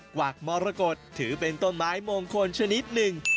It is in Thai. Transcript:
วากมรกฏถือเป็นต้นไม้มงคลชนิดหนึ่ง